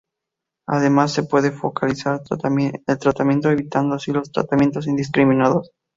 Además se puede focalizar el tratamiento, evitando así los tratamientos indiscriminados.